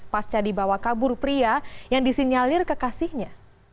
pasca dibawa kabur pria yang disinyalir kekasihnya